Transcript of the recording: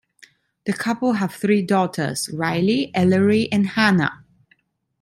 The couple have three daughters: Riley, Ellery and Hannah.